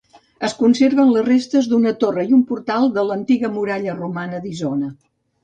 Es conserven les restes d'una torre i un portal de l'antiga muralla romana d'Isona.